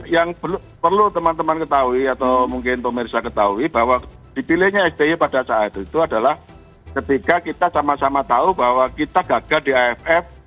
yang perlu teman teman ketahui atau mungkin pemirsa ketahui bahwa dipilihnya sby pada saat itu adalah ketika kita sama sama tahu bahwa kita gagal di aff